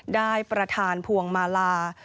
ได้ประธานพวงมาลา